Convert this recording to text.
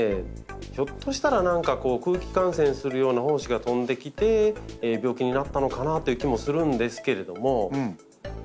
ひょっとしたら何かこう空気感染するような胞子が飛んできて病気になったのかなという気もするんですけれども。